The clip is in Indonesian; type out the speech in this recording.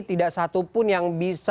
tidak satupun yang bisa